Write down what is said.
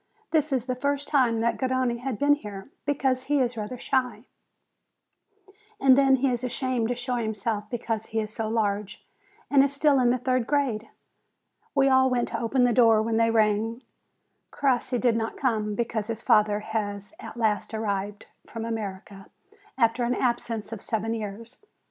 This is the first time that Garrone has been here, because he is rather shy, and then he is ashamed to show himself because he is so large, and is still in the third grade. We all went to open the door when they rang. Crossi did not come, because his father has at last arrived from THE TRAIN OF CARS 121 America, after an absence of seven years.